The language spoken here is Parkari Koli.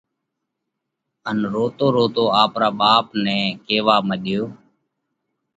ان روتو روتو آپرا ٻاپ نئہ نئہ ڪيوا مڏيو: